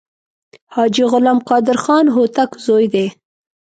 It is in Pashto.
حاجي غلام قادر خان هوتک زوی دی.